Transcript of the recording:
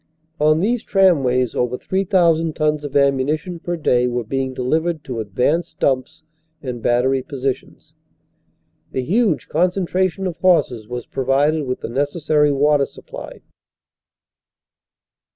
On these tramways over 3,000 tons of ammunition per day were being delivered to advanced dumps and battery positions. The huge concentration of horses was provided with the necessary water supply.